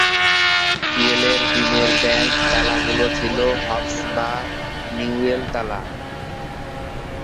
ইয়েলের দিনের ব্যাংক তালাগুলো ছিল হবস বা নিউয়েল তালা।